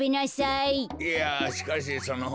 いやしかしその。